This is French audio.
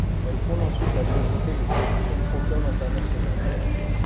Elle fonde ensuite la société de production Procom International.